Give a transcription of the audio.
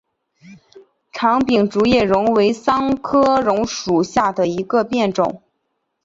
长柄竹叶榕为桑科榕属下的一个变种。